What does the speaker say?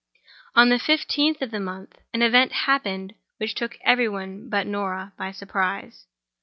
On the fifteenth of the month, an event happened which took every one but Norah by surprise.